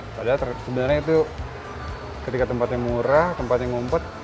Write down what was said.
padahal sebenarnya itu ketika tempatnya murah tempatnya ngumpet